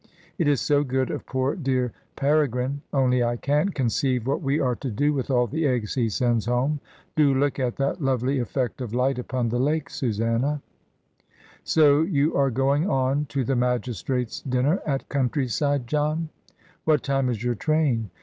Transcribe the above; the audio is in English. It is so good of poor dear Pere grine; only I can't conceive what we are to do with all the eggs he sends home. Do look at that lovely effect of light upon the lake, Susanna! So you are going on to the magistrates' dinner at County side, John? What time is your train?